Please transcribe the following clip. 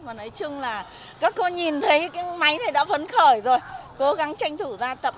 và nói chung là các cô nhìn thấy cái máy này đã phấn khởi rồi cố gắng tranh thủ ra tập